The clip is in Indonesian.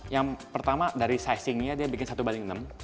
yang pertama dari sizingnya dia bikin satu banding enam